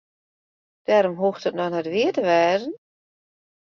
Dêrom hoecht it noch net wier te wêzen.